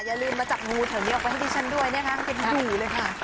อย่าลืมมาจับงูแถวนี้ออกไปให้พี่ฉันด้วยเนี้ยค่ะเขาเป็นงูเลยค่ะ